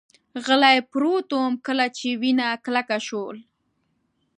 غلی پروت ووم، کله چې وینه کلکه شول.